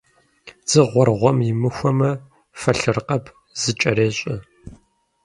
Дзыгъуэр гъуэм имыхуэмэ, фэлъыркъэб зыкӀэрещӀэ.